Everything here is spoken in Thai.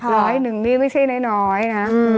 ร้อยหนึ่งนี่ไม่ใช่น้อยนะ